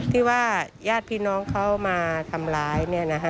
ที่ว่าญาติพี่น้องเขามาทำร้าย